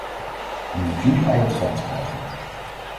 Omdat jullie al het geld krijgen!